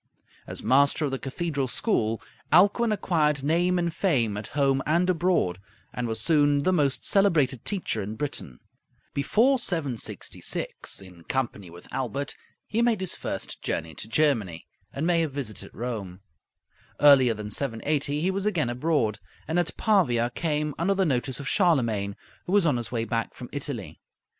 As master of the cathedral school, Alcuin acquired name and fame at home and abroad, and was soon the most celebrated teacher in Britain. Before 766, in company with Aelbert, he made his first journey to Germany, and may have visited Rome. Earlier than 780 he was again abroad, and at Pavia came under the notice of Charlemagne, who was on his way back from Italy.